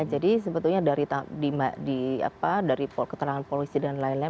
jadi sebetulnya dari ketenangan polisi dan lain lain